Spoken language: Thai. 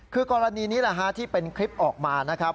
คือกรณีนี้แหละฮะที่เป็นคลิปออกมานะครับ